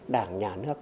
đảng nhà nước